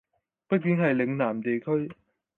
畢竟係嶺南地區